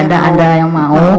atau anda yang mau